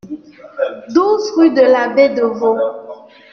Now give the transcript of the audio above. douze rue de l'Abbé Devaux